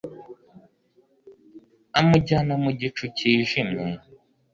amujyana mu gicu kijimye